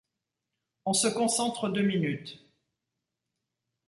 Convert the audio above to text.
On se concentre deux minutes.